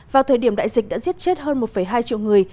vào thời điểm đại dịch đã giết chết hơn một hai triệu người